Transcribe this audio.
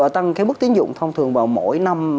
tăng cái mức tín dụng thông thường vào mỗi năm